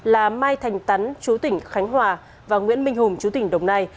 là mai thành tắn chú tỉnh khánh hòa và nguyễn minh hùng chú tỉnh đồng nai